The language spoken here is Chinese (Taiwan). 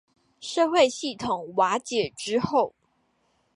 社會系統瓦解之後